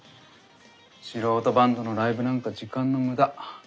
素人バンドのライブなんか時間の無駄。